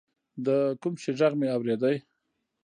د کوم شي ږغ مې اورېده.